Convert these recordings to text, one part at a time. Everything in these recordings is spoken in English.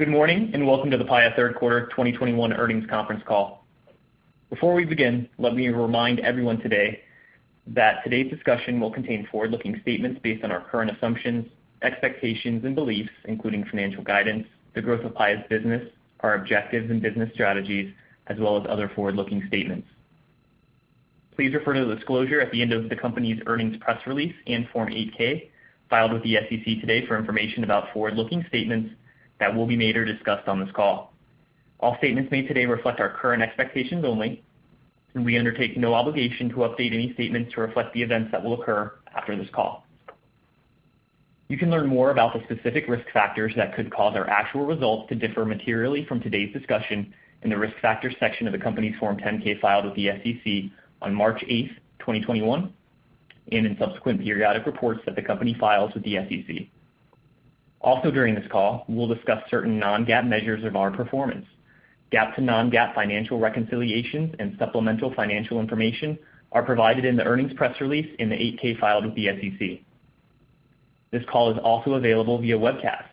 Good morning, and welcome to the Paya Third Quarter 2021 Earnings Conference Call. Before we begin, let me remind everyone today that today's discussion will contain forward-looking statements based on our current assumptions, expectations, and beliefs, including financial guidance, the growth of Paya's business, our objectives and business strategies, as well as other forward-looking statements. Please refer to the disclosure at the end of the company's earnings press release and Form 8-K filed with the SEC today for information about forward-looking statements that will be made or discussed on this call. All statements made today reflect our current expectations only, and we undertake no obligation to update any statement to reflect the events that will occur after this call. You can learn more about the specific risk factors that could cause our actual results to differ materially from today's discussion in the Risk Factors section of the company's Form 10-K filed with the SEC on March 8, 2021 and in subsequent periodic reports that the company files with the SEC. Also during this call, we'll discuss certain non-GAAP measures of our performance. GAAP to non-GAAP financial reconciliations and supplemental financial information are provided in the earnings press release in the 8-K filed with the SEC. This call is also available via webcast.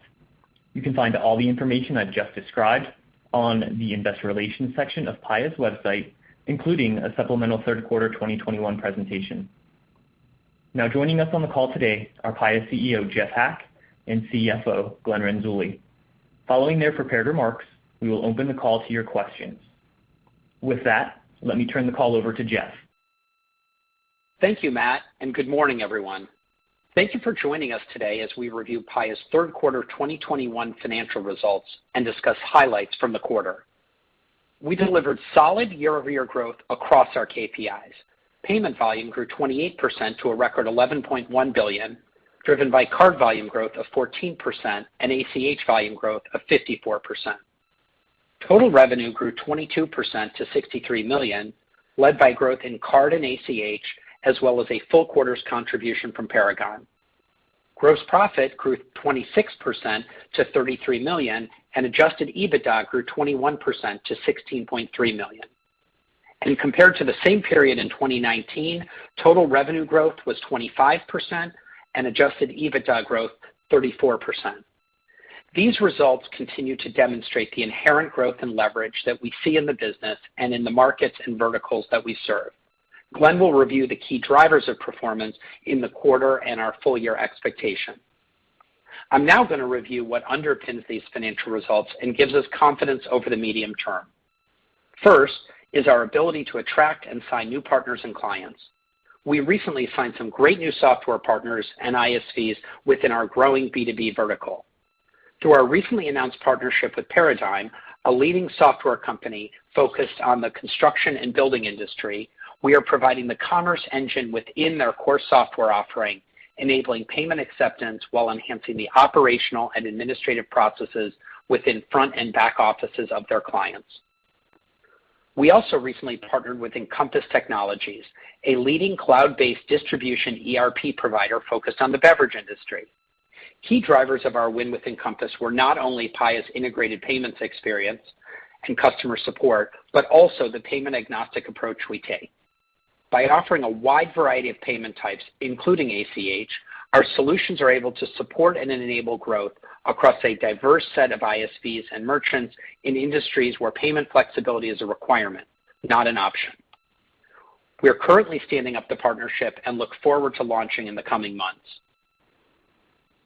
You can find all the information I just described on the Investor Relations section of Paya's website, including a supplemental third quarter 2021 presentation. Now joining us on the call today are Paya's CEO, Jeff Hack, and CFO, Glenn Renzulli. Following their prepared remarks, we will open the call to your questions. With that, let me turn the call over to Jeff. Thank you Matt and good morning everyone. Thank you for joining us today as we review Paya's third quarter 2021 financial results and discuss highlights from the quarter. We delivered solid year-over-year growth across our KPIs. Payment volume grew 28% to a record $11.1 billion, driven by card volume growth of 14% and ACH volume growth of 54%. Total revenue grew 22% to $63 million, led by growth in card and ACH, as well as a full quarter's contribution from Paragon. Gross profit grew 26% to $33 million, and Adjusted EBITDA grew 21% to $16.3 million. Compared to the same period in 2019, total revenue growth was 25% and Adjusted EBITDA growth 34%. These results continue to demonstrate the inherent growth and leverage that we see in the business and in the markets and verticals that we serve. Glenn will review the key drivers of performance in the quarter and our full year expectation. I'm now going to review what underpins these financial results and gives us confidence over the medium term. First is our ability to attract and sign new partners and clients. We recently signed some great new software partners and ISVs within our growing B2B vertical. Through our recently announced partnership with Paradigm, a leading software company focused on the construction and building industry, we are providing the commerce engine within their core software offering, enabling payment acceptance while enhancing the operational and administrative processes within front and back offices of their clients. We also recently partnered with Encompass Technologies, a leading cloud-based distribution ERP provider focused on the beverage industry. Key drivers of our win with Encompass were not only Paya's integrated payments experience and customer support, but also the payment agnostic approach we take. By offering a wide variety of payment types, including ACH, our solutions are able to support and enable growth across a diverse set of ISVs and merchants in industries where payment flexibility is a requirement, not an option. We are currently standing up the partnership and look forward to launching in the coming months.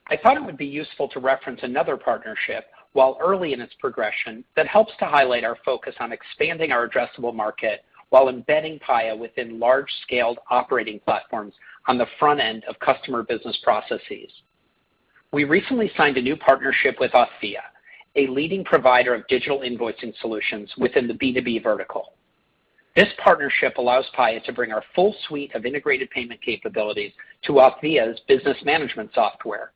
I thought it would be useful to reference another partnership while early in its progression that helps to highlight our focus on expanding our addressable market while embedding Paya within large-scale operating platforms on the front end of customer business processes. We recently signed a new partnership with Auphia, a leading provider of digital invoicing solutions within the B2B vertical. This partnership allows Paya to bring our full suite of integrated payment capabilities to Auphia's business management software.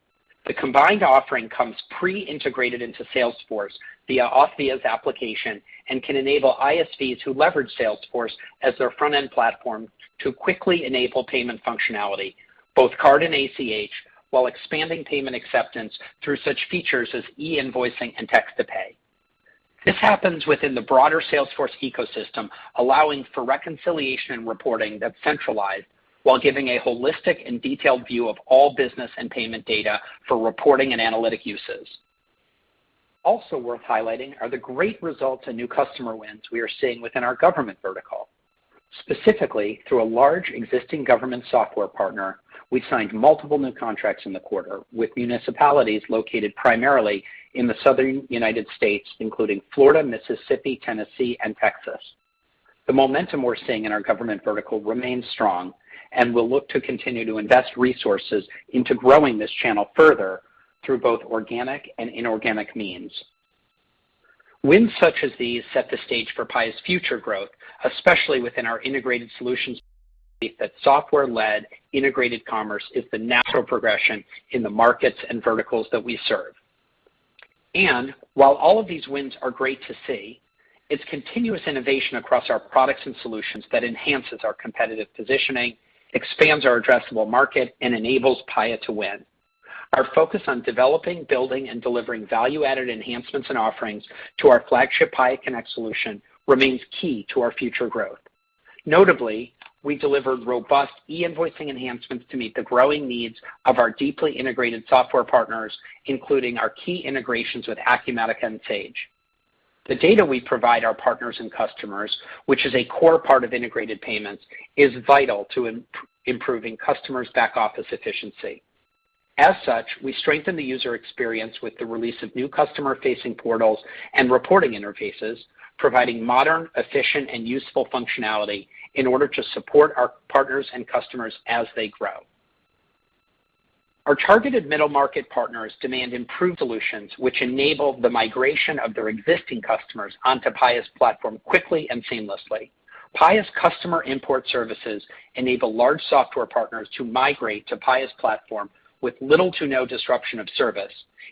The combined offering comes pre-integrated into Salesforce via Auphia's application and can enable ISVs who leverage Salesforce as their front-end platform to quickly enable payment functionality, both card and ACH, while expanding payment acceptance through such features as e-invoicing and text-to-pay. This happens within the broader Salesforce ecosystem, allowing for reconciliation and reporting that's centralized while giving a holistic and detailed view of all business and payment data for reporting and analytic uses. Also worth highlighting are the great results and new customer wins we are seeing within our government vertical. Specifically, through a large existing government software partner, we signed multiple new contracts in the quarter with municipalities located primarily in the Southern United States, including Florida, Mississippi, Tennessee, and Texas. The momentum we're seeing in our government vertical remains strong and will look to continue to invest resources into growing this channel further through both organic and inorganic means. Wins such as these set the stage for Paya's future growth, especially within our Integrated Solutions that software-led integrated commerce is the natural progression in the markets and verticals that we serve. While all of these wins are great to see, it's continuous innovation across our products and solutions that enhances our competitive positioning, expands our addressable market, and enables Paya to win. Our focus on developing, building, and delivering value-added enhancements and offerings to our flagship Paya Connect solution remains key to our future growth. Notably, we delivered robust e-invoicing enhancements to meet the growing needs of our deeply integrated software partners, including our key integrations with Acumatica and Sage. The data we provide our partners and customers, which is a core part of integrated payments, is vital to improving customers' back-office efficiency. As such, we strengthen the user experience with the release of new customer-facing portals and reporting interfaces, providing modern, efficient and useful functionality in order to support our partners and customers as they grow. Our targeted middle-market partners demand improved solutions which enable the migration of their existing customers onto Paya's platform quickly and seamlessly. Paya's customer import services enable large software partners to migrate to Paya's platform with little to no disruption of service,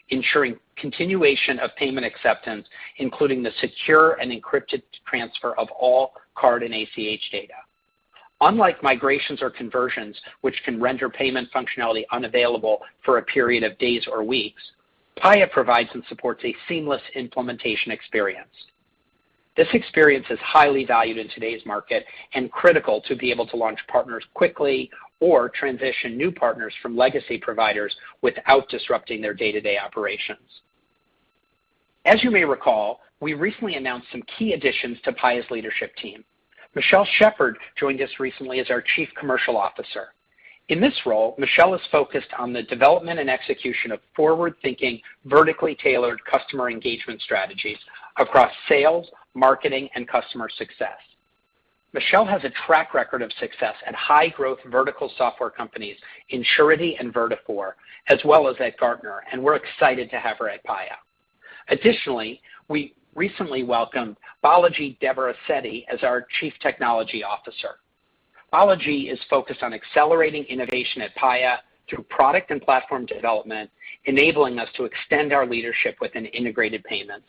ensuring continuation of payment acceptance, including the secure and encrypted transfer of all card and ACH data. Unlike migrations or conversions which can render payment functionality unavailable for a period of days or weeks, Paya provides and supports a seamless implementation experience. This experience is highly valued in today's market and critical to be able to launch partners quickly or transition new partners from legacy providers without disrupting their day-to-day operations. As you may recall, we recently announced some key additions to Paya's leadership team. Michele Shepard joined us recently as our Chief Commercial Officer. In this role, Michele is focused on the development and execution of forward-thinking, vertically tailored customer engagement strategies across sales, marketing, and customer success. Michele has a track record of success at high-growth vertical software companies in Surety and Vertafore, as well as at Gartner, and we're excited to have her at Paya. Additionally, we recently welcomed Balaji Devarasetty as our Chief Technology Officer. Balaji is focused on accelerating innovation at Paya through product and platform development, enabling us to extend our leadership within integrated payments.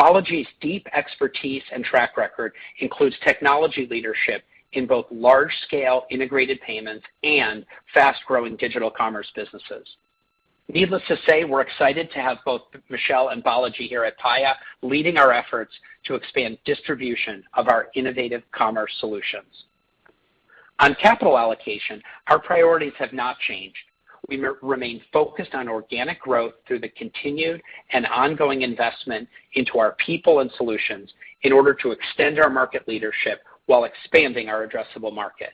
Balaji's deep expertise and track record includes technology leadership in both large-scale integrated payments and fast-growing digital commerce businesses. Needless to say, we're excited to have both Michele and Balaji here at Paya, leading our efforts to expand distribution of our innovative commerce solutions. On capital allocation, our priorities have not changed. We remain focused on organic growth through the continued and ongoing investment into our people and solutions in order to extend our market leadership while expanding our addressable market.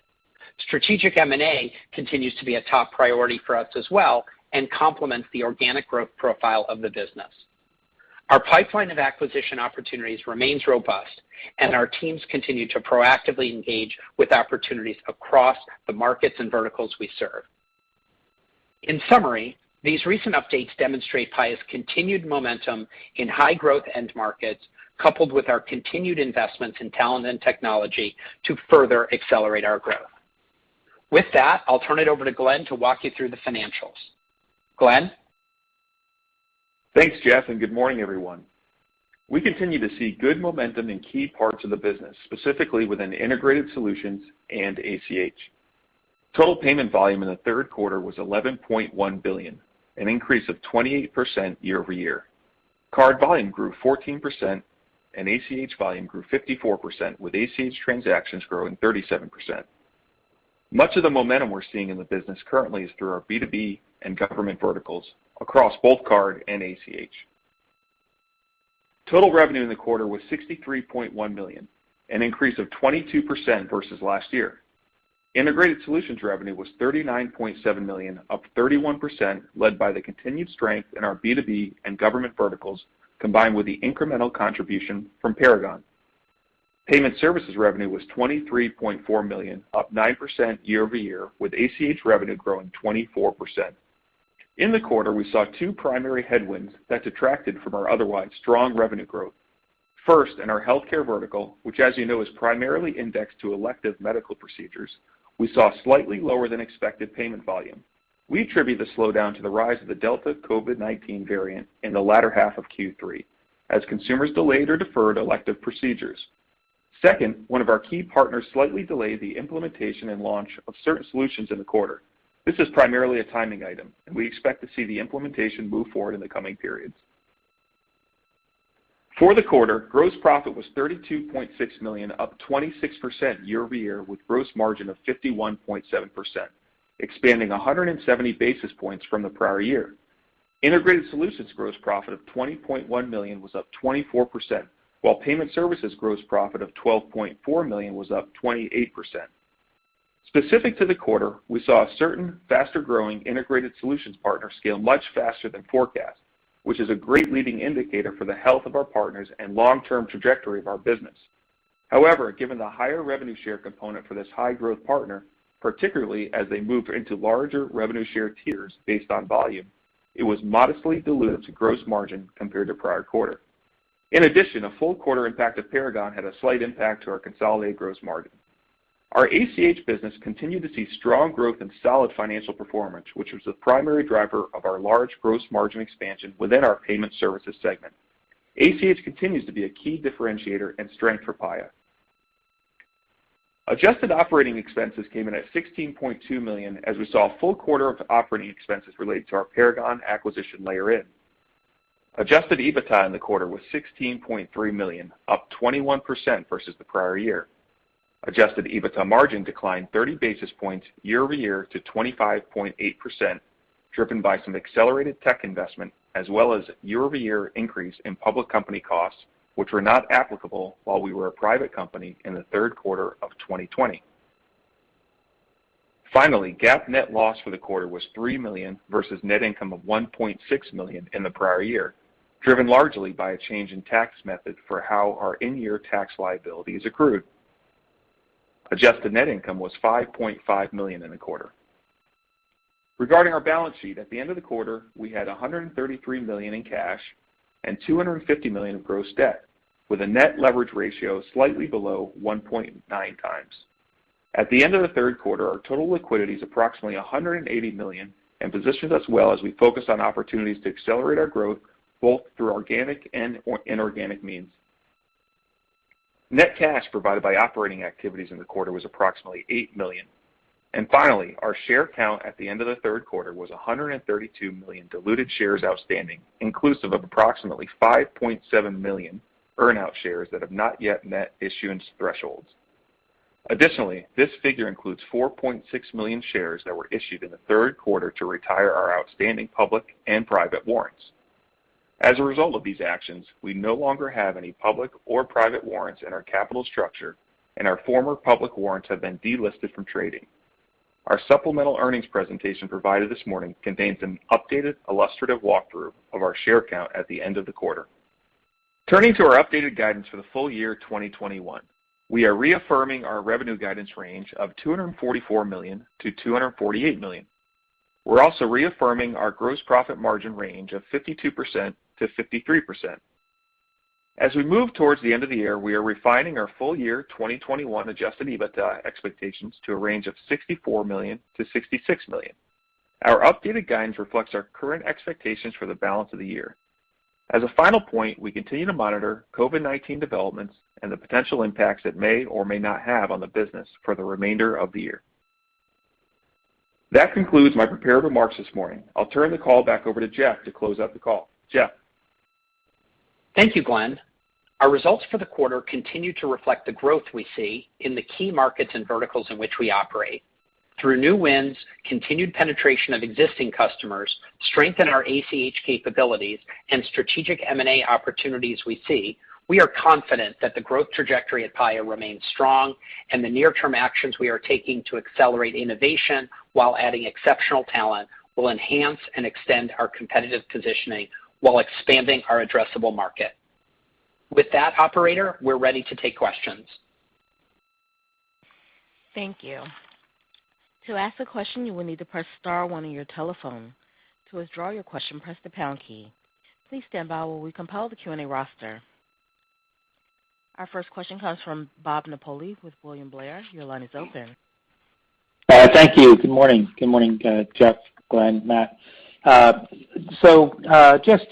Strategic M&A continues to be a top priority for us as well, and complements the organic growth profile of the business. Our pipeline of acquisition opportunities remains robust and our teams continue to proactively engage with opportunities across the markets and verticals we serve. In summary, these recent updates demonstrate Paya's continued momentum in high-growth end markets, coupled with our continued investments in talent and technology to further accelerate our growth. With that, I'll turn it over to Glenn to walk you through the financials. Glenn? Thanks Jeff and good morning everyone. We continue to see good momentum in key parts of the business, specifically within Integrated Solutions and ACH. Total payment volume in the third quarter was $11.1 billion, an increase of 28% year-over-year. Card volume grew 14% and ACH volume grew 54%, with ACH transactions growing 37%. Much of the momentum we're seeing in the business currently is through our B2B and government verticals across both card and ACH. Total revenue in the quarter was $63.1 million, an increase of 22% versus last year. Integrated Solutions revenue was $39.7 million, up 31%, led by the continued strength in our B2B and government verticals, combined with the incremental contribution from Paragon. Payment Services revenue was $23.4 million, up 9% year-over-year, with ACH revenue growing 24%. In the quarter, we saw two primary headwinds that detracted from our otherwise strong revenue growth. First, in our healthcare vertical, which as you know, is primarily indexed to elective medical procedures, we saw slightly lower than expected payment volume. We attribute the slowdown to the rise of the Delta COVID-19 variant in the latter half of Q3 as consumers delayed or deferred elective procedures. Second, one of our key partners slightly delayed the implementation and launch of certain solutions in the quarter. This is primarily a timing item, and we expect to see the implementation move forward in the coming periods. For the quarter, gross profit was $32.6 million, up 26% year-over-year, with gross margin of 51.7%, expanding 170 basis points from the prior year. Integrated Solutions gross profit of $20.1 million was up 24%, while Payment Services gross profit of $12.4 million was up 28%. Specific to the quarter, we saw a certain faster-growing Integrated Solutions partner scale much faster than forecast, which is a great leading indicator for the health of our partners and long-term trajectory of our business. However, given the higher revenue share component for this high-growth partner, particularly as they move into larger revenue share tiers based on volume, it was modestly dilutive to gross margin compared to prior quarter. In addition, a full quarter impact of Paragon had a slight impact to our consolidated gross margin. Our ACH business continued to see strong growth and solid financial performance, which was the primary driver of our large gross margin expansion within our Payment Services segment. ACH continues to be a key differentiator and strength for Paya. Adjusted operating expenses came in at $16.2 million as we saw a full quarter of operating expenses related to our Paragon acquisition layered in. Adjusted EBITDA in the quarter was $16.3 million, up 21% versus the prior year. Adjusted EBITDA margin declined 30 basis points year-over-year to 25.8%, driven by some accelerated tech investment as well as year-over-year increase in public company costs, which were not applicable while we were a private company in the third quarter of 2020. GAAP net loss for the quarter was $3 million versus net income of $1.6 million in the prior year, driven largely by a change in tax method for how our in-year tax liability is accrued. Adjusted net income was $5.5 million in the quarter. Regarding our balance sheet, at the end of the quarter, we had $133 million in cash and $250 million of gross debt, with a net leverage ratio slightly below 1.9x. At the end of the third quarter, our total liquidity is approximately $180 million and positions us well as we focus on opportunities to accelerate our growth both through organic or inorganic means. Net cash provided by operating activities in the quarter was approximately $8 million. Finally, our share count at the end of the third quarter was 132 million diluted shares outstanding, inclusive of approximately 5.7 million earn-out shares that have not yet net issuance thresholds. Additionally, this figure includes 4.6 million shares that were issued in the third quarter to retire our outstanding public and private warrants. As a result of these actions, we no longer have any public or private warrants in our capital structure, and our former public warrants have been delisted from trading. Our supplemental earnings presentation provided this morning contains an updated illustrative walkthrough of our share count at the end of the quarter. Turning to our updated guidance for the full year 2021, we are reaffirming our revenue guidance range of $244 million-$248 million. We're also reaffirming our gross profit margin range of 52%-53%. As we move towards the end of the year, we are refining our full year 2021 Adjusted EBITDA expectations to a range of $64 million-$66 million. Our updated guidance reflects our current expectations for the balance of the year. As a final point, we continue to monitor COVID-19 developments and the potential impacts it may or may not have on the business for the remainder of the year. That concludes my prepared remarks this morning. I'll turn the call back over to Jeff to close out the call. Jeff? Thank you, Glenn. Our results for the quarter continue to reflect the growth we see in the key markets and verticals in which we operate. Through new wins, continued penetration of existing customers, strengthen our ACH capabilities and strategic M&A opportunities we see, we are confident that the growth trajectory at Paya remains strong and the near-term actions we are taking to accelerate innovation while adding exceptional talent will enhance and extend our competitive positioning while expanding our addressable market. With that, operator, we're ready to take questions. Thank you. To ask a question, you will need to press star one on your telephone. To withdraw your question, press the pound key. Please stand by while we compile the Q&A roster. Our first question comes from Bob Napoli with William Blair. Your line is open. Thank you. Good morning. Good morning, Jeff, Glenn, Matt. Just,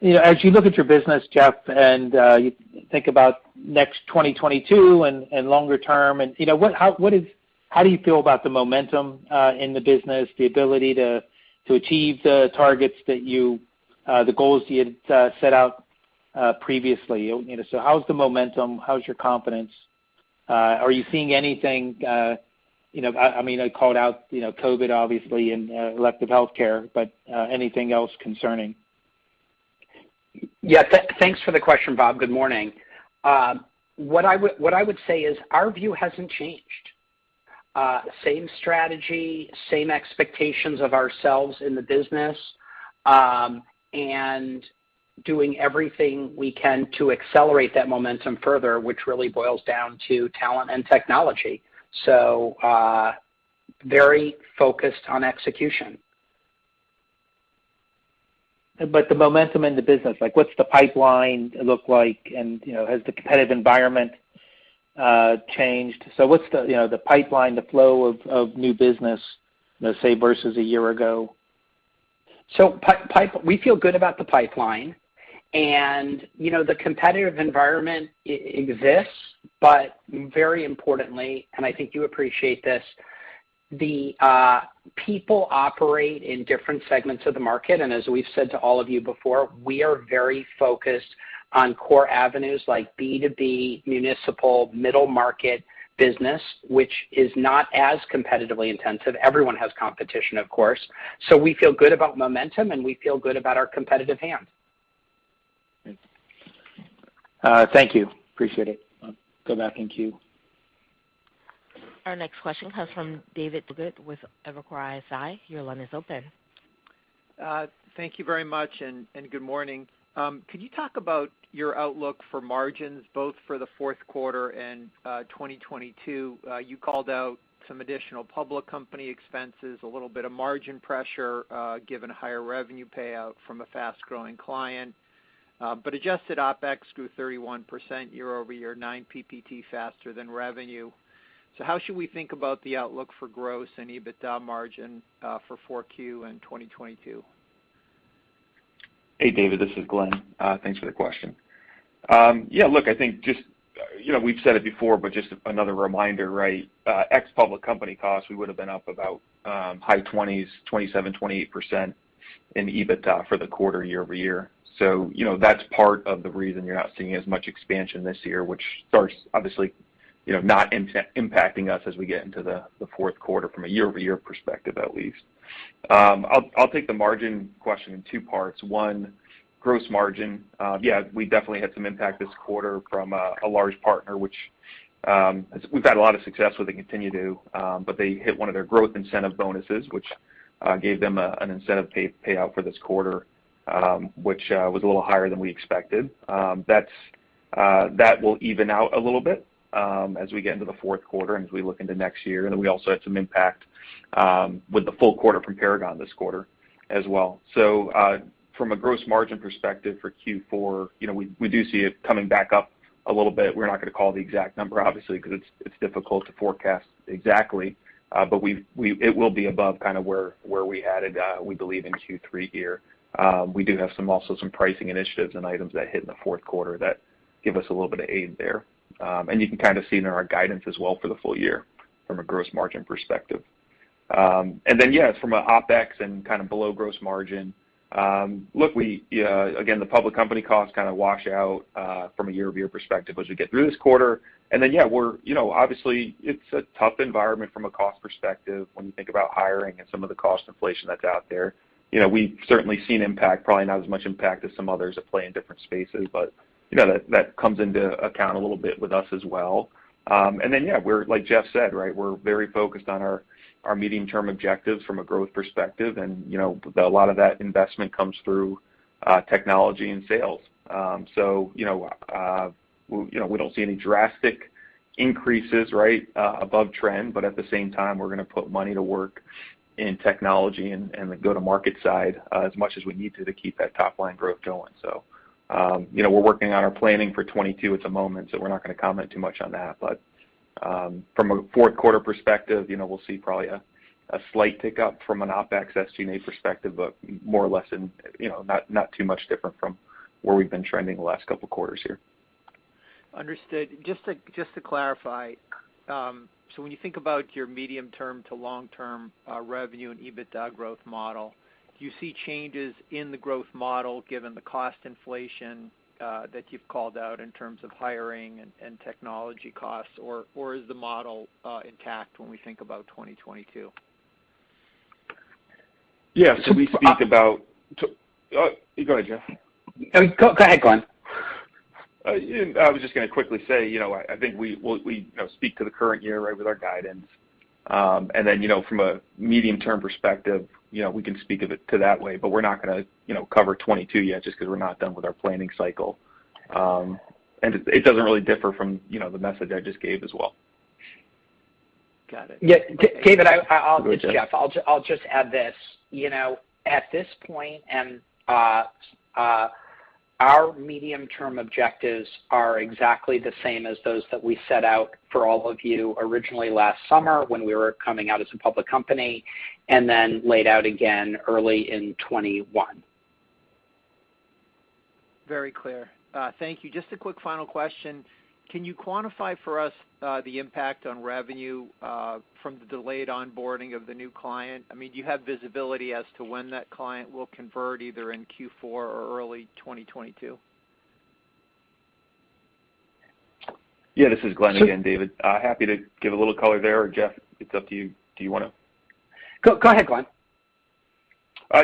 you know, as you look at your business, Jeff, and you think about 2022 and longer term, and, you know, how do you feel about the momentum in the business, the ability to achieve the targets that you had set out previously? You know, how's the momentum? How's your confidence? Are you seeing anything, you know? I mean, I called out, you know, COVID obviously and elective healthcare, but anything else concerning? Thanks for the question, Bob. Good morning. What I would say is our view hasn't changed. Same strategy, same expectations of ourselves in the business, and doing everything we can to accelerate that momentum further, which really boils down to talent and technology. Very focused on execution. The momentum in the business, like, what's the pipeline look like? You know, has the competitive environment changed? What's the, you know, the pipeline, the flow of new business, let's say, versus a year ago? Pipeline—we feel good about the pipeline. You know, the competitive environment exists, but very importantly, and I think you appreciate this, the people operate in different segments of the market. We've said to all of you before, we are very focused on core avenues like B2B, municipal, middle market business, which is not as competitively intensive. Everyone has competition, of course. We feel good about momentum, and we feel good about our competitive hand. Thank you. Appreciate it. I'll go back in queue. Our next question comes from David Togut with Evercore ISI. Your line is open. Thank you very much and good morning. Could you talk about your outlook for margins both for the fourth quarter and 2022? You called out some additional public company expenses, a little bit of margin pressure, given higher revenue payout from a fast-growing client. But adjusted OpEx grew 31% year-over-year, 9% points faster than revenue. How should we think about the outlook for gross and EBITDA margin for 4Q and 2022? Hey, David, this is Glenn. Thanks for the question. Yeah, look, I think just, you know, we've said it before, but just another reminder, right? Ex public company costs, we would have been up about high 20s, 27%-28% in EBITDA for the quarter year-over-year. So, you know, that's part of the reason you're not seeing as much expansion this year, which starts obviously not impacting us as we get into the fourth quarter from a year-over-year perspective, at least. I'll take the margin question in two parts. One, gross margin. Yeah, we definitely had some impact this quarter from a large partner, which we've had a lot of success with. They continue to, but they hit one of their growth incentive bonuses, which gave them an incentive payout for this quarter, which was a little higher than we expected. That will even out a little bit as we get into the fourth quarter and as we look into next year. We also had some impact with the full quarter from Paragon this quarter as well. From a gross margin perspective for Q4, we do see it coming back up a little bit. We're not gonna call the exact number obviously, because it's difficult to forecast exactly. It will be above kind of where we added, we believe in Q3 here. We do have some pricing initiatives and items that hit in the fourth quarter that give us a little bit of aid there. You can kind of see in our guidance as well for the full year from a gross margin perspective. Yes, from a OpEx and kind of below gross margin, again, the public company costs kind of wash out from a year-over-year perspective as we get through this quarter. We're, you know, obviously, it's a tough environment from a cost perspective when you think about hiring and some of the cost inflation that's out there. You know, we've certainly seen impact, probably not as much impact as some others that play in different spaces, but you know, that comes into account a little bit with us as well. Yeah, we're like Jeff said, right? We're very focused on our medium-term objectives from a growth perspective. You know, a lot of that investment comes through technology and sales. You know, we don't see any drastic increases, right, above trend, but at the same time, we're gonna put money to work in technology and the go-to-market side, as much as we need to keep that top line growth going. You know, we're working on our planning for 2022 at the moment, so we're not gonna comment too much on that. From a fourth quarter perspective, you know, we'll see probably a slight pickup from an OpEx SG&A perspective, but more or less in, you know, not too much different from where we've been trending the last couple quarters here. Understood. Just to clarify, so when you think about your medium term to long term, revenue and EBITDA growth model, do you see changes in the growth model given the cost inflation, that you've called out in terms of hiring and technology costs? Or is the model intact when we think about 2022? Yeah. Go ahead, Jeff. No, go ahead, Glenn. I was just gonna quickly say, you know, I think we speak to the current year, right, with our guidance. Then, you know, from a medium-term perspective, you know, we can speak to it that way, but we're not gonna, you know, cover 2022 yet just because we're not done with our planning cycle. It doesn't really differ from, you know, the message I just gave as well. Got it. Yeah. David, I'll. Go ahead, Jeff. It's Jeff. I'll just add this. You know, at this point, our medium-term objectives are exactly the same as those that we set out for all of you originally last summer when we were coming out as a public company and then laid out again early in 2021. Very clear. Thank you. Just a quick final question. Can you quantify for us the impact on revenue from the delayed onboarding of the new client? I mean, do you have visibility as to when that client will convert either in Q4 or early 2022? Yeah, this is Glenn again, David. Happy to give a little color there, or Jeff, it's up to you. Do you wanna? Go ahead, Glenn.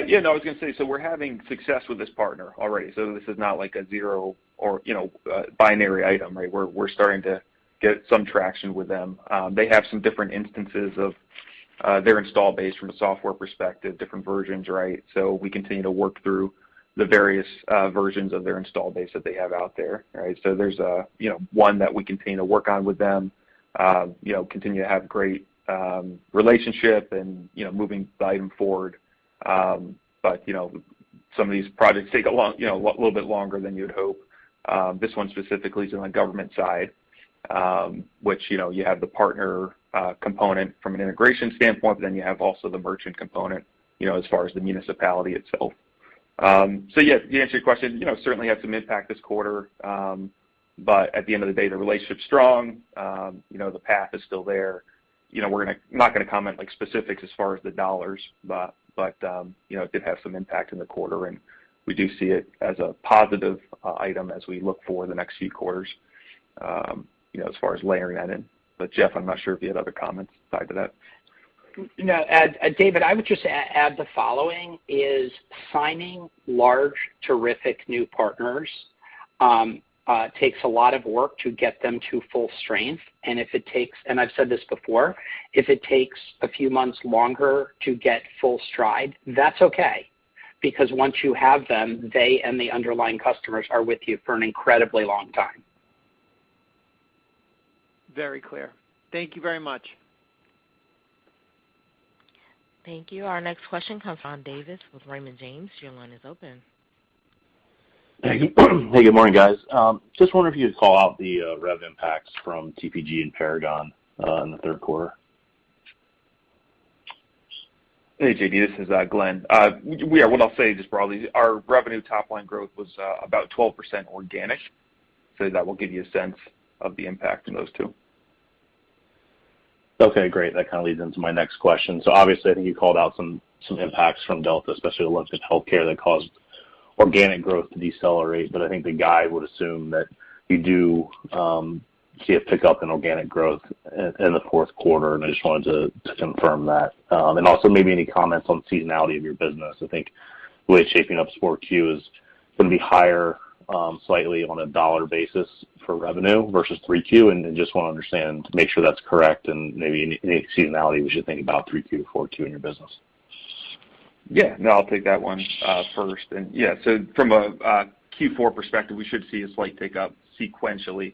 Yeah, no, I was gonna say, we're having success with this partner already. This is not like a zero or, you know, binary item, right? We're starting to get some traction with them. They have some different instances of their install base from a software perspective, different versions, right? We continue to work through the various versions of their install base that they have out there, right? There's a, you know, one that we continue to work on with them, you know, continue to have great relationship and, you know, moving item forward. You know, some of these projects take a long, you know, a little bit longer than you'd hope. This one specifically is on the government side, which, you know, you have the partner component from an integration standpoint, but then you have also the merchant component, you know, as far as the municipality itself. So yeah, to answer your question, you know, certainly had some impact this quarter. But at the end of the day, the relationship's strong. You know, the path is still there. You know, not gonna comment on specifics as far as the dollars, but, you know, it did have some impact in the quarter, and we do see it as a positive item as we look forward to the next few quarters, you know, as far as layering that in. But Jeff, I'm not sure if you had other comments to add to that. No. David, I would just add the following, signing large, terrific new partners takes a lot of work to get them to full strength. If it takes, and I've said this before, if it takes a few months longer to get full stride, that's okay, because once you have them, they and the underlying customers are with you for an incredibly long time. Very clear. Thank you very much. Thank you. Our next question comes from John Davis with Raymond James. Your line is open. Thank you. Hey, good morning, guys. Just wondering if you could call out the rev impacts from TPG and Paragon in the third quarter? Hey, JD, this is Glenn. What I'll say just broadly, our revenue top line growth was about 12% organic. That will give you a sense of the impact in those two. Okay, great. That kind of leads into my next question. Obviously, I think you called out some impacts from Delta, especially the ones in healthcare that caused organic growth to decelerate. I think the guide would assume that you do see a pickup in organic growth in the fourth quarter, and I just wanted to confirm that. Also maybe any comments on seasonality of your business. I think the way it's shaping up, 4Q is gonna be higher, slightly on a dollar basis for revenue versus 3Q. Just wanna understand to make sure that's correct and maybe any seasonality we should think about 3Q, 4Q in your business. Yeah. No, I'll take that one first. Yeah, so from a Q4 perspective, we should see a slight take up sequentially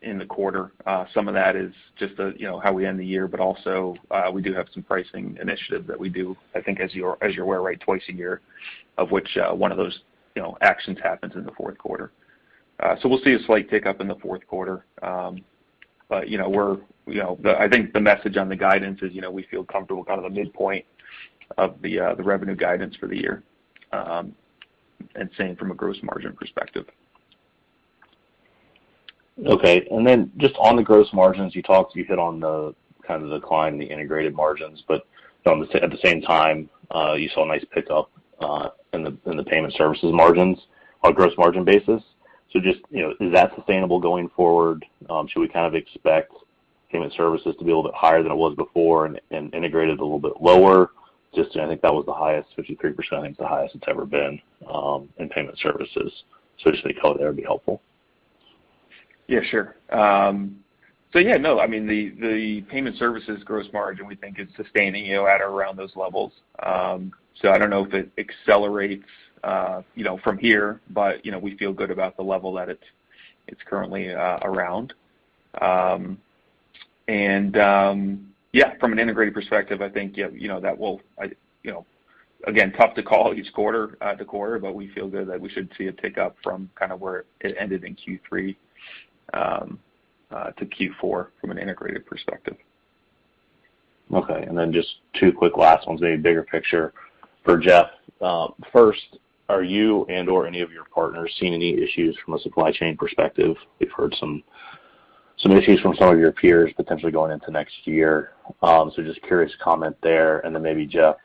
in the quarter. Some of that is just the, you know, how we end the year, but also, we do have some pricing initiative that we do, I think as you're aware, right, twice a year, of which, one of those, you know, actions happens in the fourth quarter. So we'll see a slight pickup in the fourth quarter. You know, we're, you know, I think the message on the guidance is, you know, we feel comfortable kind of the midpoint of the revenue guidance for the year, and same from a gross margin perspective. Okay. Just on the gross margins, you talked, you hit on the kind of decline in the Integrated margins. You know, at the same time, you saw a nice pickup in the Payment Services margins on gross margin basis. Just, you know, is that sustainable going forward? Should we kind of expect Payment Services to be a little bit higher than it was before and Integrated a little bit lower? Just I think that was the highest, 53%, I think the highest it's ever been, in Payment Services. Just any color there would be helpful. Yeah, sure. Yeah, no, I mean, the Payment Services gross margin we think is sustaining, you know, at around those levels. I don't know if it accelerates, you know, from here, but, you know, we feel good about the level that it's currently around. Yeah, from an Integrated perspective, I think, you know, that will, you know. Again, tough to call each quarter-to-quarter, but we feel good that we should see a tick up from kind of where it ended in Q3-Q4 from an Integrated perspective. Okay. Just two quick last ones, maybe bigger picture for Jeff. First, are you and/or any of your partners seeing any issues from a supply chain perspective? We've heard some issues from some of your peers potentially going into next year. Just curious comment there. Maybe Jeff,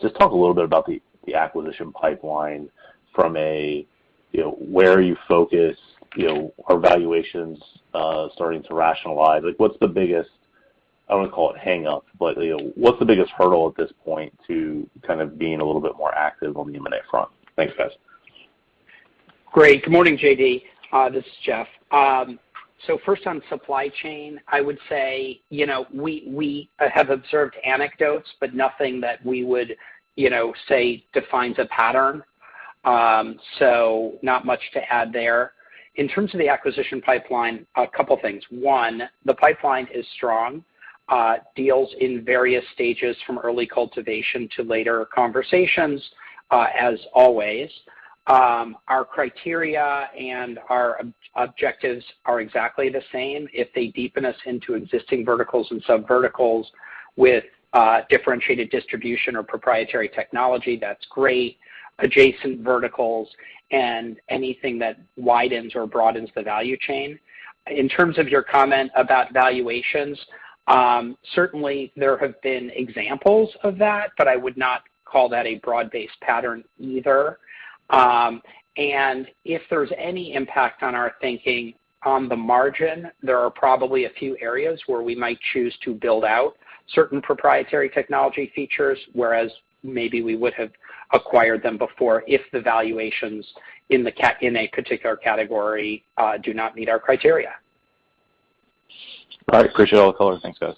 just talk a little bit about the acquisition pipeline from a, you know, where are you focused? You know, are valuations starting to rationalize? Like, what's the biggest, I don't wanna call it hangup, but, you know, what's the biggest hurdle at this point to kind of being a little bit more active on the M&A front? Thanks, guys. Great. Good morning, JD. This is Jeff. First on supply chain, I would say, we have observed anecdotes, but nothing that we would say defines a pattern. Not much to add there. In terms of the acquisition pipeline, a couple things. One, the pipeline is strong. Deals in various stages from early cultivation to later conversations, as always. Our criteria and our objectives are exactly the same. If they deepen us into existing verticals and subverticals with differentiated distribution or proprietary technology, that's great, adjacent verticals and anything that widens or broadens the value chain. In terms of your comment about valuations, certainly there have been examples of that, but I would not call that a broad-based pattern either. If there's any impact on our thinking on the margin, there are probably a few areas where we might choose to build out certain proprietary technology features, whereas maybe we would have acquired them before if the valuations in a particular category do not meet our criteria. All right. Appreciate all the color. Thanks, guys.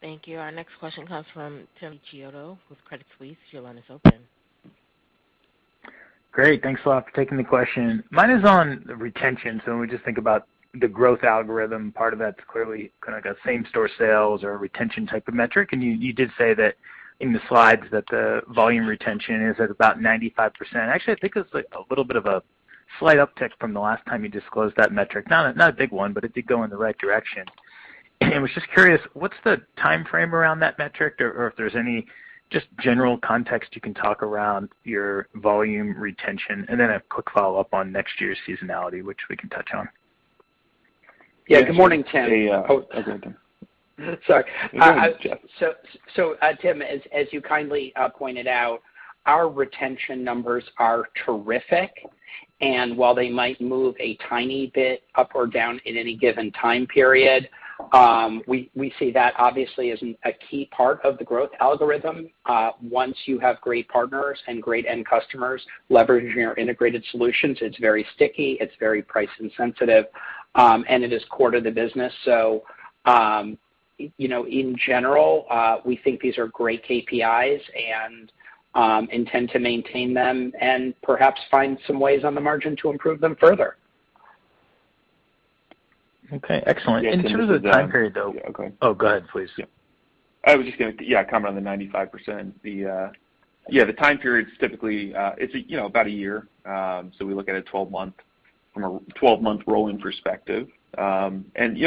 Thank you. Our next question comes from Tim Chiodo with Credit Suisse. Your line is open. Great. Thanks a lot for taking the question. Mine is on retention. When we just think about the growth algorithm, part of that's clearly kind of like a same store sales or retention type of metric. You did say that in the slides that the volume retention is at about 95%. Actually, I think it's like a little bit of a slight uptick from the last time you disclosed that metric. Not a big one, but it did go in the right direction. Was just curious, what's the timeframe around that metric or if there's any just general context you can talk around your volume retention? Then a quick follow-up on next year's seasonality, which we can touch on. Yeah. Good morning, Tim. Yeah. Go ahead, Tim. Sorry. No, go ahead, Jeff. Tim, as you kindly pointed out, our retention numbers are terrific. While they might move a tiny bit up or down in any given time period, we see that obviously as a key part of the growth algorithm. Once you have great partners and great end customers leveraging our integrated solutions, it's very sticky, it's very price insensitive, and it is core to the business. You know, in general, we think these are great KPIs and intend to maintain them and perhaps find some ways on the margin to improve them further. Okay. Excellent. In terms of time period, though. Okay. Oh, go ahead, please. I was just gonna comment on the 95%. The time periods typically, it's, you know, about a year. We look at a 12-month from a 12-month rolling perspective. You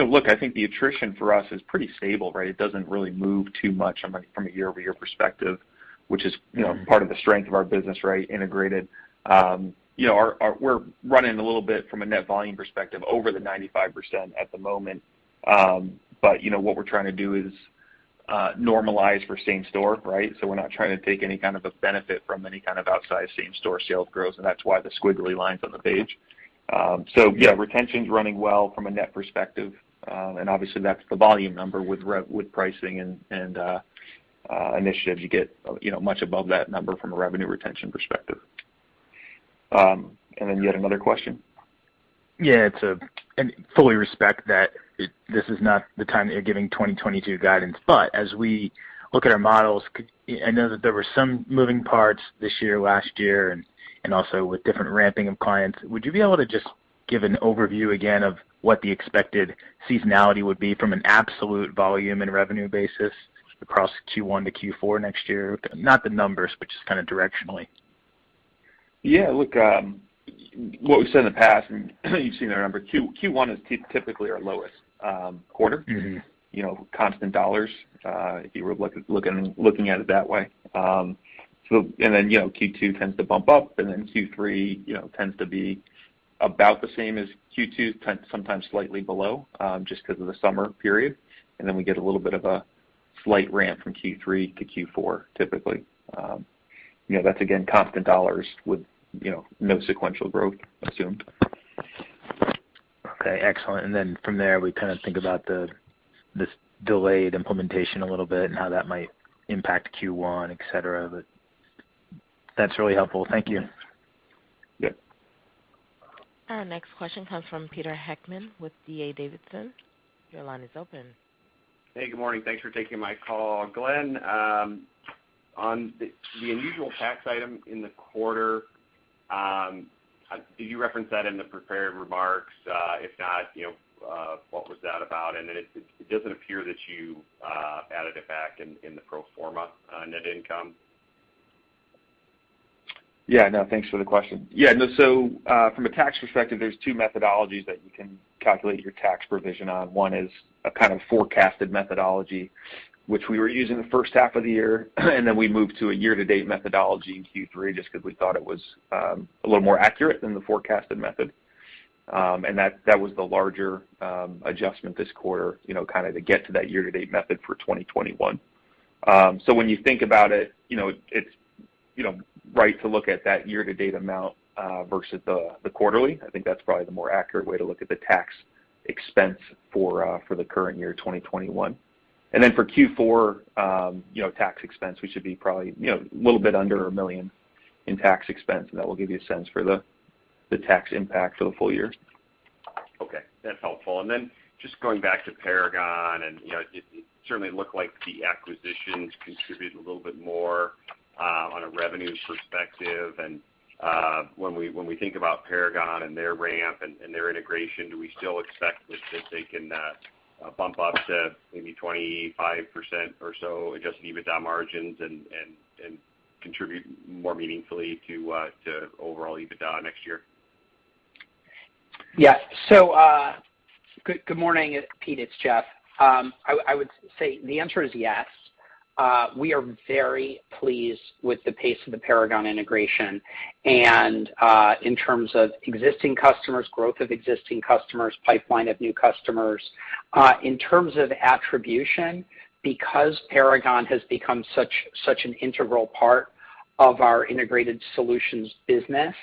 know, look, I think the attrition for us is pretty stable, right? It doesn't really move too much from a year-over-year perspective, which is, you know, part of the strength of our business, right? Integrated. You know, our we're running a little bit from a net volume perspective over the 95% at the moment. But, you know, what we're trying to do is normalize for same store, right? We're not trying to take any kind of a benefit from any kind of outside same store sales growth, and that's why the squiggly line's on the page. Yeah, retention's running well from a net perspective. Obviously, that's the volume number with pricing and initiatives, you know, much above that number from a revenue retention perspective. You had another question? Yeah. I fully respect that this is not the time that you're giving 2022 guidance. As we look at our models, I know that there were some moving parts this year, last year, and also with different ramping of clients. Would you be able to just give an overview again of what the expected seasonality would be from an absolute volume and revenue basis across Q1-Q4 next year? Not the numbers, but just kinda directionally. Yeah. Look, what we've said in the past, and you've seen our number, Q1 is typically our lowest quarter. Mm-hmm. You know, constant dollars, if you were looking at it that way. Then, you know, Q2 tends to bump up, and then Q3, you know, tends to be about the same as Q2, sometimes slightly below, just 'cause of the summer period. We get a little bit of a slight ramp from Q3-Q4, typically. You know, that's again constant dollars with, you know, no sequential growth assumed. Okay, excellent. From there, we kinda think about this delayed implementation a little bit and how that might impact Q1, et cetera, but that's really helpful. Thank you. Yep. Our next question comes from Peter Heckmann with D.A. Davidson. Your line is open. Hey, good morning. Thanks for taking my call. Glenn, on the unusual tax item in the quarter, did you reference that in the prepared remarks? If not, you know, what was that about? It doesn't appear that you added it back in the pro forma on net income. Yeah, no, thanks for the question. So, from a tax perspective, there's two methodologies that you can calculate your tax provision on. One is a kind of forecasted methodology, which we were using the first half of the year, and then we moved to a year-to-date methodology in Q3 just 'cause we thought it was a little more accurate than the forecasted method. And that was the larger adjustment this quarter, you know, kinda to get to that year-to-date method for 2021. So when you think about it, you know, it's right to look at that year-to-date amount versus the quarterly. I think that's probably the more accurate way to look at the tax expense for the current year, 2021. For Q4, you know, tax expense, we should be probably, you know, a little bit under $1 million in tax expense, and that will give you a sense for the tax impact for the full year. Okay, that's helpful. Just going back to Paragon and, you know, it certainly looked like the acquisitions contributed a little bit more on a revenue perspective. When we think about Paragon and their ramp and their integration, do we still expect that they can bump up to maybe 25% or so adjusted EBITDA margins and contribute more meaningfully to overall EBITDA next year? Yeah. Good morning, Pete. It's Jeff. I would say the answer is yes. We are very pleased with the pace of the Paragon integration and in terms of existing customers, growth of existing customers, pipeline of new customers. In terms of attribution, because Paragon has become such an integral part of our Integrated Solutions business,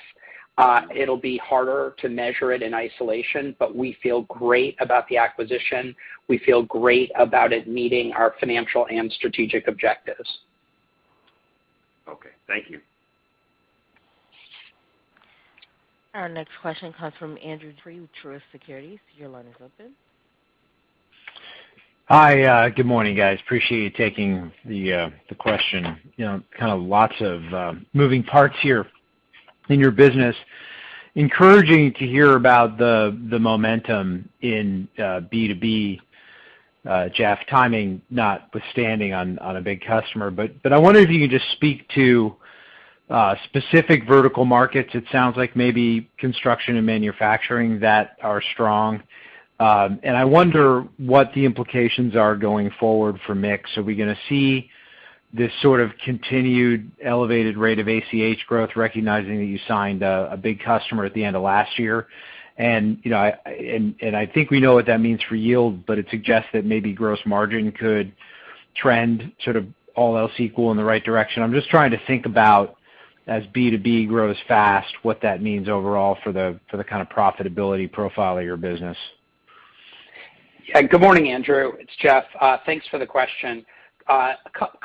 it'll be harder to measure it in isolation, but we feel great about the acquisition. We feel great about it meeting our financial and strategic objectives. Okay. Thank you. Our next question comes from Andrew Jeffrey with Truist Securities. Your line is open. Hi. Good morning, guys. Appreciate you taking the question. You know, kind of lots of moving parts here in your business. Encouraging to hear about the momentum in B2B, Jeff, timing notwithstanding on a big customer. I wonder if you could just speak to specific vertical markets. It sounds like maybe construction and manufacturing that are strong. I wonder what the implications are going forward for mix. Are we gonna see this sort of continued elevated rate of ACH growth, recognizing that you signed a big customer at the end of last year? You know, I think we know what that means for yield, but it suggests that maybe gross margin could trend sort of all else equal in the right direction. I'm just trying to think about, as B2B grows fast, what that means overall for the kind of profitability profile of your business. Yeah. Good morning, Andrew. It's Jeff. Thanks for the question. A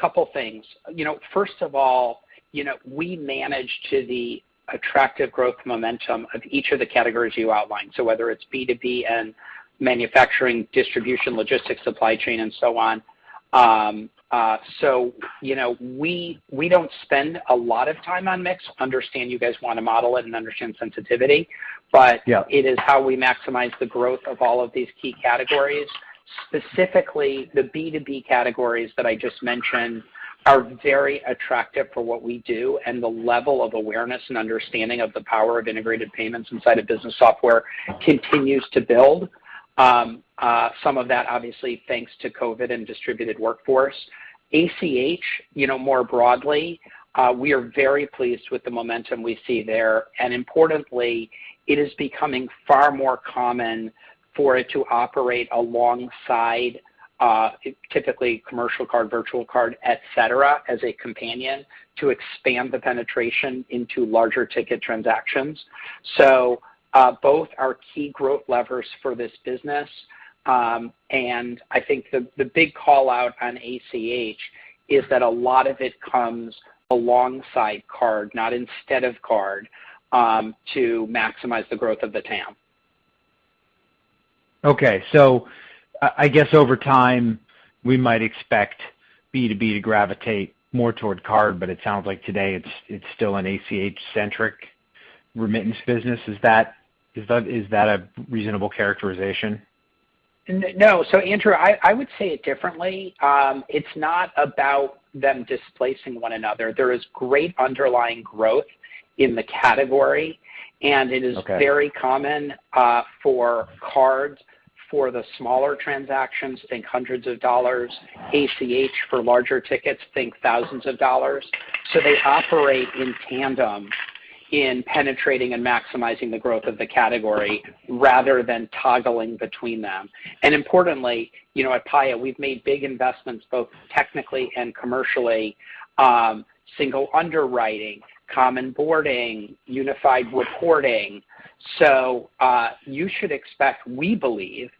couple things. You know, first of all, you know, we manage to the attractive growth momentum of each of the categories you outlined. Whether it's B2B and manufacturing, distribution, logistics, supply chain, and so on, you know, we don't spend a lot of time on mix. We understand you guys wanna model it and understand sensitivity. Yeah. It is how we maximize the growth of all of these key categories. Specifically, the B2B categories that I just mentioned are very attractive for what we do, and the level of awareness and understanding of the power of integrated payments inside of business software continues to build. Some of that obviously thanks to COVID and distributed workforce. ACH, you know, more broadly, we are very pleased with the momentum we see there. Importantly, it is becoming far more common for it to operate alongside, typically commercial card, virtual card, et cetera, as a companion to expand the penetration into larger ticket transactions. Both are key growth levers for this business. I think the big call-out on ACH is that a lot of it comes alongside card, not instead of card, to maximize the growth of the TAM. Okay. I guess over time, we might expect B2B to gravitate more toward card, but it sounds like today it's still an ACH-centric remittance business. Is that a reasonable characterization? No. Andrew, I would say it differently. It's not about them displacing one another. There is great underlying growth in the category, and it is Okay. Very common for cards for the smaller transactions, think hundreds of dollars, ACH for larger tickets, think thousands of dollars. They operate in tandem in penetrating and maximizing the growth of the category rather than toggling between them. Importantly, you know, at Paya we've made big investments, both technically and commercially, single underwriting, common onboarding, unified reporting. You should expect, we believe,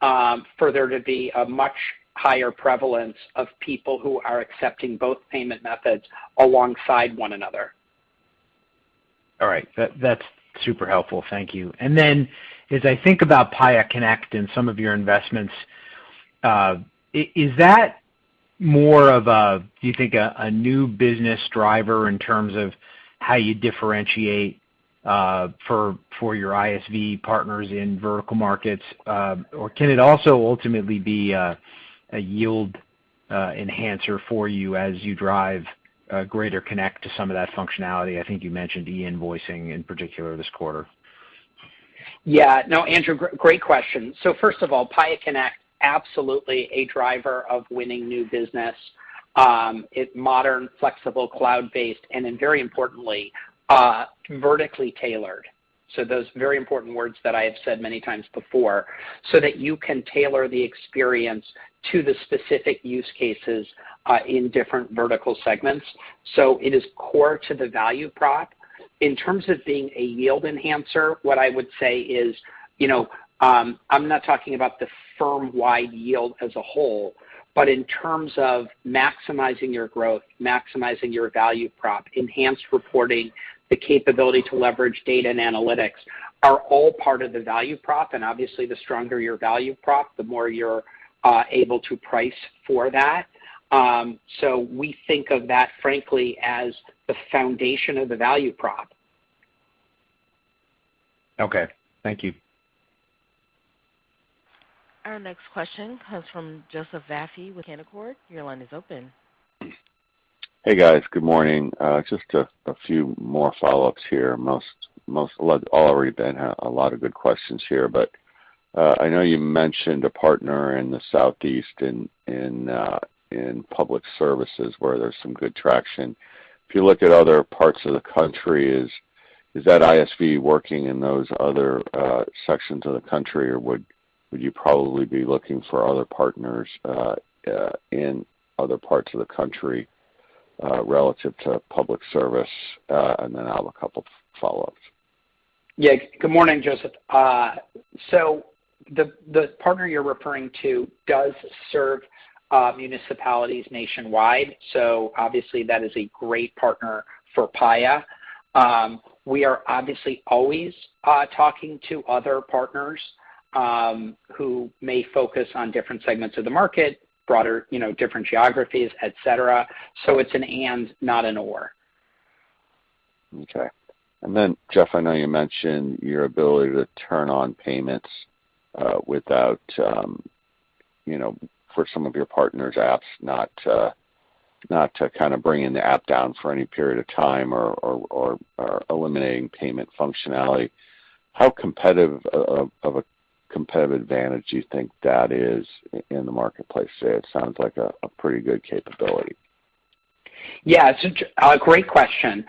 for there to be a much higher prevalence of people who are accepting both payment methods alongside one another. All right. That's super helpful. Thank you. As I think about Paya Connect and some of your investments, is that more of a, do you think a new business driver in terms of how you differentiate for your ISV partners in vertical markets? Or can it also ultimately be a yield enhancer for you as you drive a greater connect to some of that functionality? I think you mentioned e-invoicing in particular this quarter. Yeah. No, Andrew, great question. First of all, Paya Connect, absolutely a driver of winning new business. It's modern, flexible, cloud-based, and then very importantly, vertically tailored, so those very important words that I have said many times before, so that you can tailor the experience to the specific use cases in different vertical segments. It is core to the value prop. In terms of being a yield enhancer, what I would say is, I'm not talking about the firm-wide yield as a whole, but in terms of maximizing your growth, maximizing your value prop, enhanced reporting, the capability to leverage data and analytics are all part of the value prop. Obviously the stronger your value prop, the more you're able to price for that. We think of that frankly as the foundation of the value prop. Okay, thank you. Our next question comes from Joseph Vafi with Canaccord. Your line is open. Hey, guys. Good morning. Just a few more follow-ups here. Already been a lot of good questions here. I know you mentioned a partner in the Southeast in public services where there's some good traction. If you look at other parts of the country, is that ISV working in those other sections of the country, or would you probably be looking for other partners in other parts of the country relative to public service? Then I'll have a couple follow-ups. Yeah. Good morning, Joseph. The partner you're referring to does serve municipalities nationwide, so obviously that is a great partner for Paya. We are obviously always talking to other partners who may focus on different segments of the market, broader, you know, different geographies, et cetera. It's an and, not an or. Okay. Jeff, I know you mentioned your ability to turn on payments without, you know, for some of your partners' apps not to kinda bring the app down for any period of time or eliminating payment functionality. How competitive of a competitive advantage do you think that is in the marketplace today? It sounds like a pretty good capability. Yeah, it's a great question.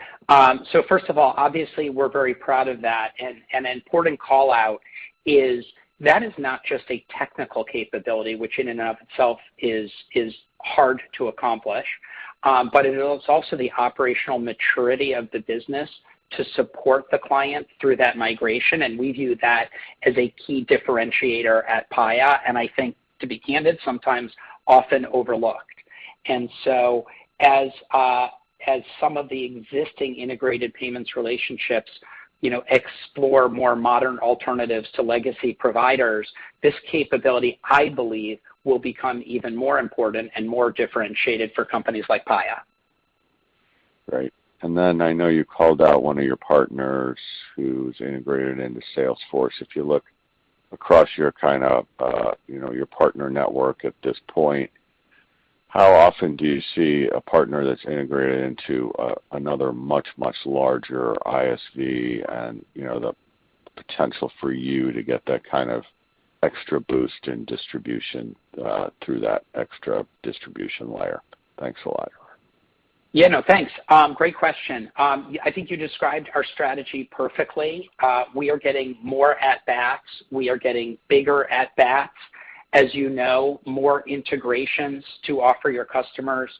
So first of all, obviously we're very proud of that. An important call-out is that is not just a technical capability, which in and of itself is hard to accomplish, but it is also the operational maturity of the business to support the client through that migration, and we view that as a key differentiator at Paya, and I think, to be candid, sometimes often overlooked. As some of the existing integrated payments relationships, you know, explore more modern alternatives to legacy providers. This capability, I believe, will become even more important and more differentiated for companies like Paya. Right. Then I know you called out one of your partners who's integrated into Salesforce. If you look across your kind of, you know, your partner network at this point, how often do you see a partner that's integrated into another much, much larger ISV and, you know, the potential for you to get that kind of extra boost in distribution through that extra distribution layer? Thanks a lot. Yeah, no, thanks. Great question. I think you described our strategy perfectly. We are getting more at-bats. We are getting bigger at-bats. As you know, more integrations to offer your customers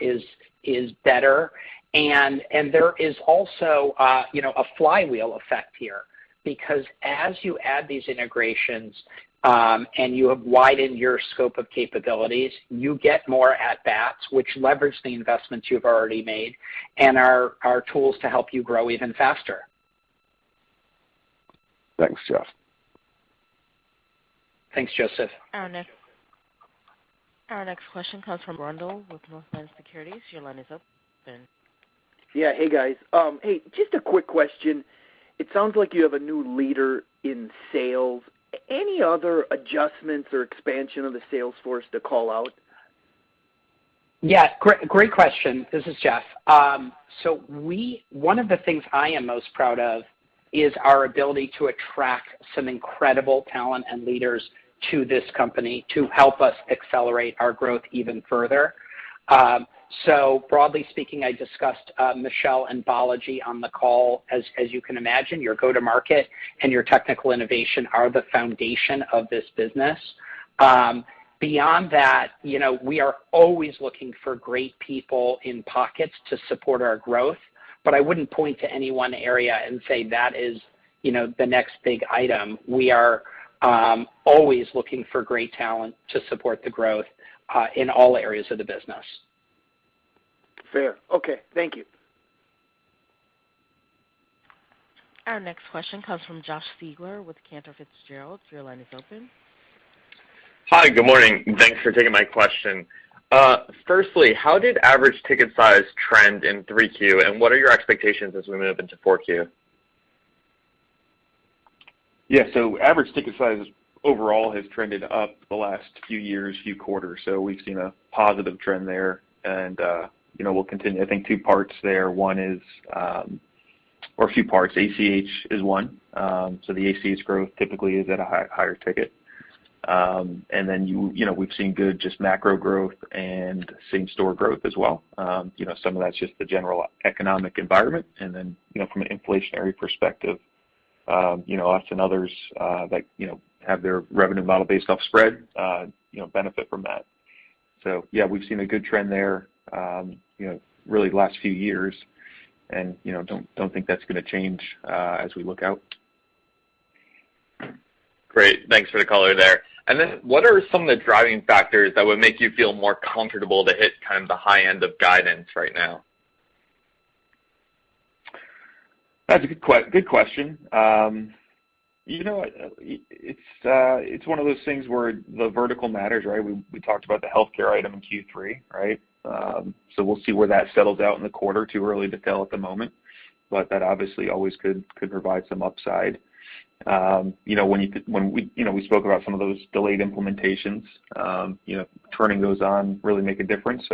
is better. There is also, you know, a flywheel effect here, because as you add these integrations and you have widened your scope of capabilities, you get more at-bats, which leverage the investments you've already made and are tools to help you grow even faster. Thanks, Jeff. Thanks, Joseph. Our next question comes from Randall with Northland Securities. Your line is open. Yeah. Hey, guys. Hey, just a quick question. It sounds like you have a new leader in sales. Any other adjustments or expansion of the sales force to call out? Yeah, great question. This is Jeff. One of the things I am most proud of is our ability to attract some incredible talent and leaders to this company to help us accelerate our growth even further. So broadly speaking, I discussed Michele and Balaji on the call. As you can imagine, your go-to-market and your technical innovation are the foundation of this business. Beyond that, you know, we are always looking for great people in pockets to support our growth. But I wouldn't point to any one area and say, "That is, you know, the next big item." We are always looking for great talent to support the growth in all areas of the business. Fair. Okay, thank you. Our next question comes from Josh Siegler with Cantor Fitzgerald. Your line is open. Hi, good morning. Thanks for taking my question. Firstly, how did average ticket size trend in 3Q, and what are your expectations as we move into 4Q? Yeah. Average ticket size overall has trended up the last few years, few quarters. We've seen a positive trend there. You know, we'll continue. I think two parts there. Or a few parts. ACH is one. The ACH growth typically is at a higher ticket. And then you know, we've seen good just macro growth and same-store growth as well. You know, some of that's just the general economic environment. Then you know from an inflationary perspective, you know, us and others, like, you know, have their revenue model based off spread, you know, benefit from that. Yeah, we've seen a good trend there, you know, really the last few years. You know, don't think that's gonna change, as we look out. Great. Thanks for the color there. What are some of the driving factors that would make you feel more comfortable to hit kind of the high end of guidance right now? That's a good question. You know, it's one of those things where the vertical matters, right? We talked about the healthcare item in Q3, right? We'll see where that settles out in the quarter. Too early to tell at the moment. That obviously always could provide some upside. You know, when we spoke about some of those delayed implementations, you know, turning those on really make a difference.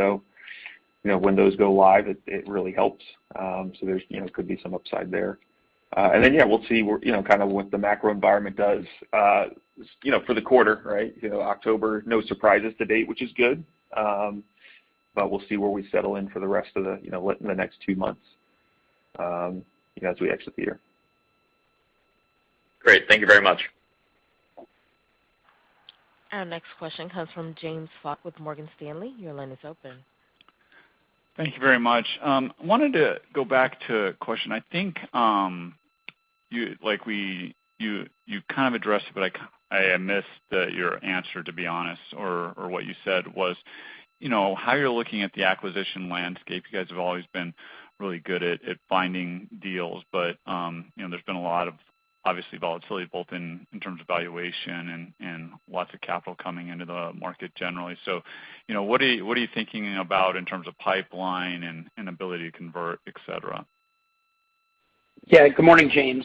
You know, when those go live, it really helps. There's, you know, could be some upside there. Then, yeah, we'll see where, you know, kind of what the macro environment does, you know, for the quarter, right? You know, October, no surprises to date, which is good. We'll see where we settle in for the rest of the, you know, in the next two months, you know, as we exit the year. Great. Thank you very much. Our next question comes from James Faucette with Morgan Stanley. Your line is open. Thank you very much. Wanted to go back to a question. I think you kind of addressed it, but I missed your answer, to be honest, or what you said was, you know, how you're looking at the acquisition landscape. You guys have always been really good at finding deals. You know, there's been a lot of obviously volatility, both in terms of valuation and lots of capital coming into the market generally. You know, what are you thinking about in terms of pipeline and ability to convert, et cetera? Yeah. Good morning, James.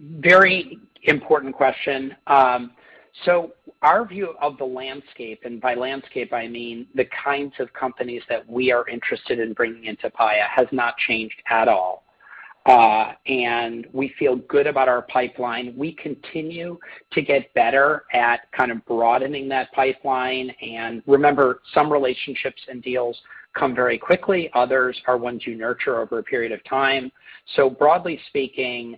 Very important question. Our view of the landscape, and by landscape I mean the kinds of companies that we are interested in bringing into Paya, has not changed at all. We feel good about our pipeline. We continue to get better at kind of broadening that pipeline. Remember, some relationships and deals come very quickly, others are ones you nurture over a period of time. Broadly speaking,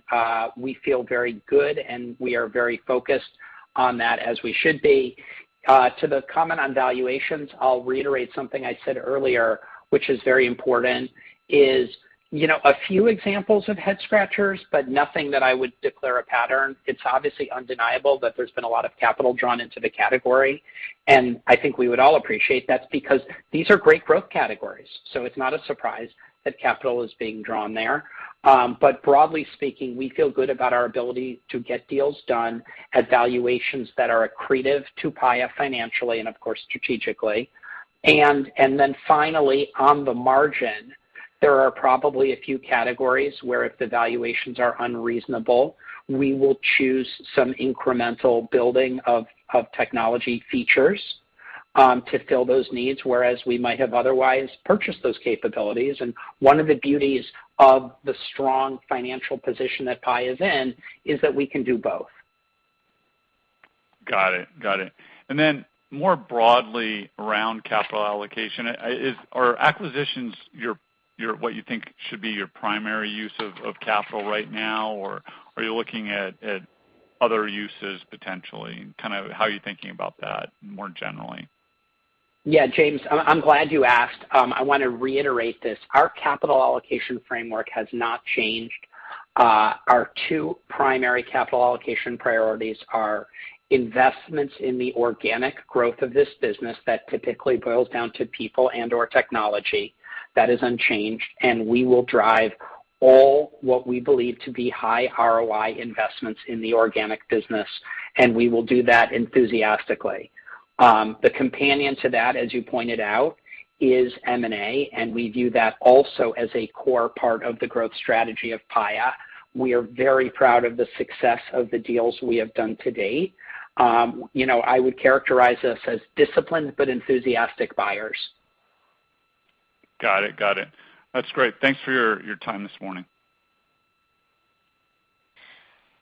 we feel very good, and we are very focused on that, as we should be. To the comment on valuations, I'll reiterate something I said earlier, which is very important, you know, a few examples of head scratchers, but nothing that I would declare a pattern. It's obviously undeniable that there's been a lot of capital drawn into the category, and I think we would all appreciate that's because these are great growth categories. It's not a surprise that capital is being drawn there. Broadly speaking, we feel good about our ability to get deals done at valuations that are accretive to Paya financially and of course, strategically. Then finally, on the margin, there are probably a few categories where if the valuations are unreasonable, we will choose some incremental building of technology features to fill those needs, whereas we might have otherwise purchased those capabilities. One of the beauties of the strong financial position that Paya is in is that we can do both. Got it. More broadly around capital allocation are acquisitions, your what you think should be your primary use of capital right now, or are you looking at other uses potentially? Kind of how you're thinking about that more generally. Yeah, James, I'm glad you asked. I wanna reiterate this. Our capital allocation framework has not changed. Our two primary capital allocation priorities are investments in the organic growth of this business that typically boils down to people and/or technology. That is unchanged, and we will drive all what we believe to be high ROI investments in the organic business, and we will do that enthusiastically. The companion to that, as you pointed out, is M&A, and we view that also as a core part of the growth strategy of Paya. We are very proud of the success of the deals we have done to date. You know, I would characterize us as disciplined but enthusiastic buyers. Got it. That's great. Thanks for your time this morning.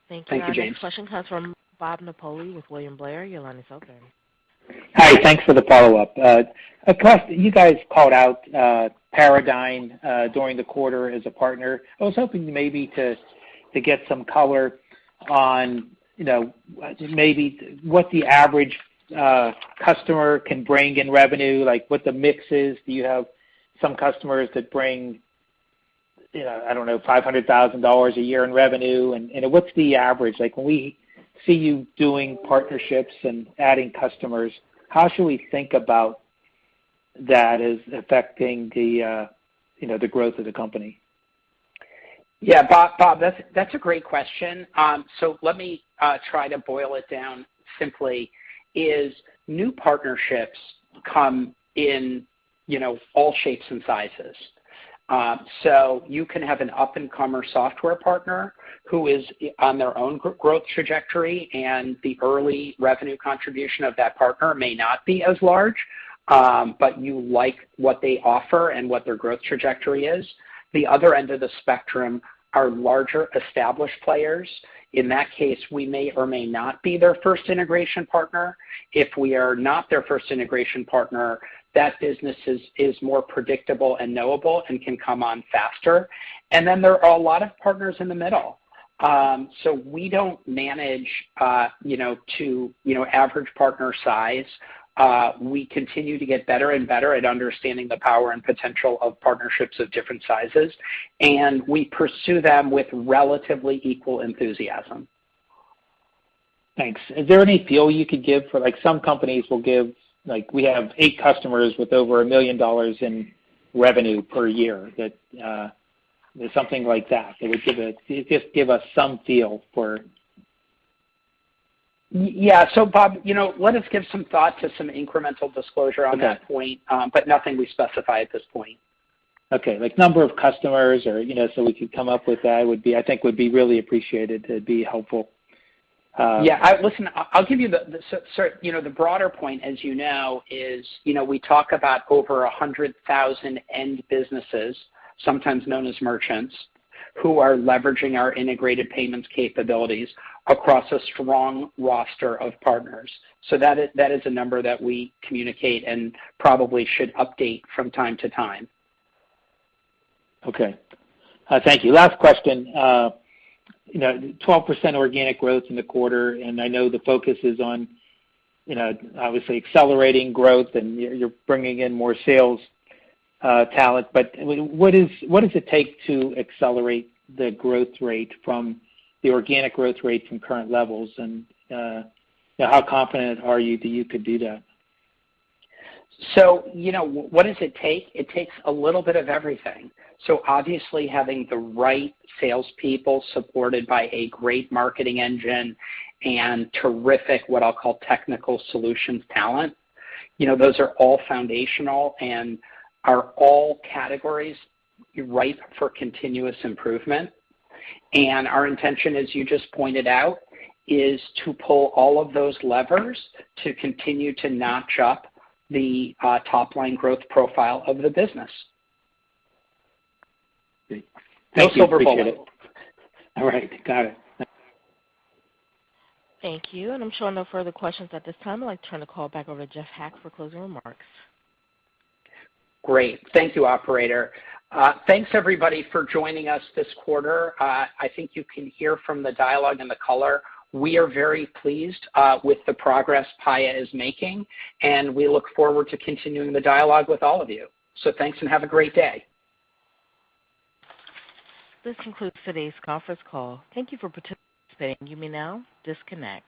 Thank you, James. Thank you. Our next question comes from Bob Napoli with William Blair. Your line is open. Hi. Thanks for the follow-up. You guys called out Paradigm during the quarter as a partner. I was hoping maybe to get some color on, you know, maybe what the average customer can bring in revenue, like what the mix is. Do you have some customers that bring, you know, I don't know, $500,000 a year in revenue? And what's the average? Like, when we see you doing partnerships and adding customers, how should we think about that as affecting the, you know, the growth of the company? Yeah. Bob, that's a great question. Let me try to boil it down simply. New partnerships come in, you know, all shapes and sizes. You can have an up-and-comer software partner who is on their own growth trajectory, and the early revenue contribution of that partner may not be as large, but you like what they offer and what their growth trajectory is. The other end of the spectrum are larger established players. In that case, we may or may not be their first integration partner. If we are not their first integration partner, that business is more predictable and knowable and can come on faster. Then there are a lot of partners in the middle. We don't manage, you know, to average partner size. We continue to get better and better at understanding the power and potential of partnerships of different sizes, and we pursue them with relatively equal enthusiasm. Thanks. Is there any feel you could give for like some companies will give, like we have eight customers with over $1 million in revenue per year, something like that would just give us some feel for. Yeah. Bob, you know, let us give some thought to some incremental disclosure on that point. Okay. Nothing we specify at this point. Okay. Like number of customers or, you know, so we could come up with that I think would be really appreciated. It'd be helpful. You know, the broader point, as you know, is, you know, we talk about over 100,000 end businesses, sometimes known as merchants, who are leveraging our integrated payments capabilities across a strong roster of partners. That is a number that we communicate and probably should update from time to time. Okay. Thank you. Last question. You know, 12% organic growth in the quarter, and I know the focus is on, you know, obviously accelerating growth and you're bringing in more sales talent, but what does it take to accelerate the growth rate from the organic growth rate from current levels? And how confident are you that you could do that? You know, what does it take? It takes a little bit of everything. So obviously having the right salespeople supported by a great marketing engine and terrific, what I'll call technical solutions talent. You know, those are all foundational and are all categories ripe for continuous improvement. Our intention, as you just pointed out, is to pull all of those levers to continue to notch up the top line growth profile of the business. Great. Thank you. Appreciate it. No silver bullet. All right. Got it. Thank you. I'm showing no further questions at this time. I'd like to turn the call back over to Jeff Hack for closing remarks. Great. Thank you, operator. Thanks everybody for joining us this quarter. I think you can hear from the dialogue and the color. We are very pleased with the progress Paya is making, and we look forward to continuing the dialogue with all of you. Thanks and have a great day. This concludes today's conference call. Thank you for participating. You may now disconnect.